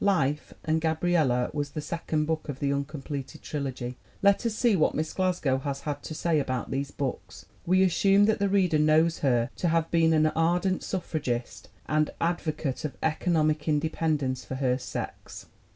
Life and Gabriella was the second book of the uncompleted trilogy. Let us see what Miss Glasgow has had to say about these books. We assume that the reader knows her to have been an ardent suffragist and advocate of economic independ ence for her sex.